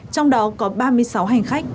trong đó có ba mươi sáu hành khách